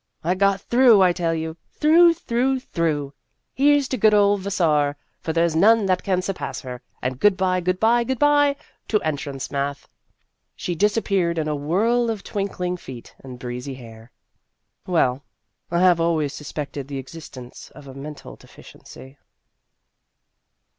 I got through, I tell you through, through, through !" Here 's to good old Vassar, For there 's none that can surpass her, And good bye, good bye, good bye to entrance math!" She disappeared in a whirl of twinkling feet and breezy hair. Well I have always suspected the existence of a mental deficiency.